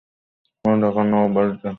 তিনি ঢাকার নবাব বাড়িতে উপস্থিত ছিলেন।